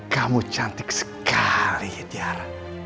kamu cantik sekali tiara